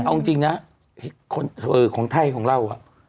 เอาจริงนะของไทยของเรา